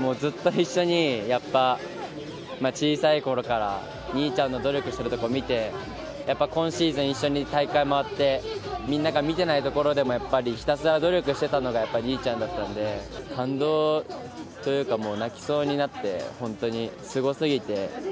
もうずっと一緒に、やっぱ小さいころから、兄ちゃんの努力してるとこ見て、やっぱ今シーズン、一緒に大会回って、みんなが見てないところでもやっぱりひたすら努力してたのがやっぱり兄ちゃんだったんで、感動というか、もう本当に泣きそうになって、本当にすごすぎて。